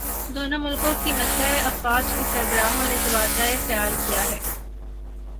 دونوں ملکوں کی مسلح افواج کے سربراہوں نے تبادلہ خیال کیا ہے